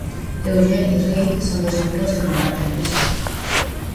Eugene y Rick son dos amigos que comparten piso.